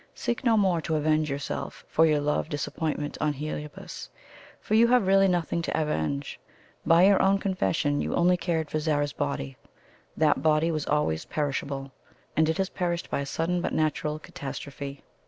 Seek no more to avenge yourself for your love disappointment on Heliobas for you have really nothing to avenge. By your own confession you only cared for Zara's body that body was always perishable, and it has perished by a sudden but natural catastrophe.